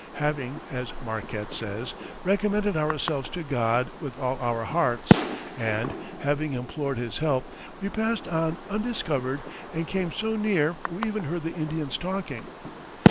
Having, as Marquette says, "recommended ourselves to God with all our hearts," and "having implored his help, we passed on undiscovered, and came so near we even heard the Indians talking."